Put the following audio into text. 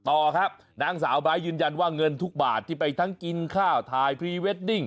ต่อครับนางสาวไบท์ยืนยันว่าเงินทุกบาทที่ไปทั้งกินข้าวถ่ายพรีเวดดิ้ง